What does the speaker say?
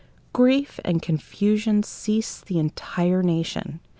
Grief and confusion seized the entire nation.